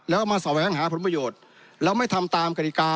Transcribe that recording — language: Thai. แล้วมาแสวงหาผลประโยชน์แล้วไม่ทำตามกฎิกา